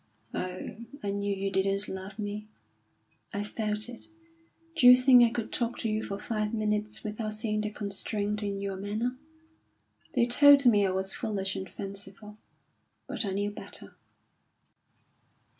"Oh, I knew you didn't love me! I felt it. D'you think I could talk to you for five minutes without seeing the constraint in your manner? They told me I was foolish and fanciful, but I knew better."